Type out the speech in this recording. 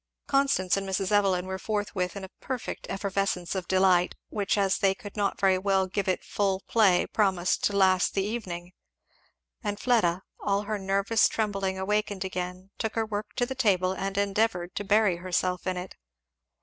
Constance and Mrs. Evelyn were forthwith in a perfect effervescence of delight, which as they could not very well give it full play promised to last the evening; and Fleda, all her nervous trembling awakened again, took her work to the table and endeavoured to bury herself in it.